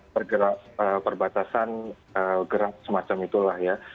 pergerak perbatasan gerak semacam itulah ya